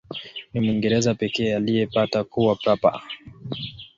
Ni Mwingereza pekee aliyepata kuwa Papa.